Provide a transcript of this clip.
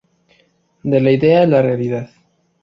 De la idea a la realidad.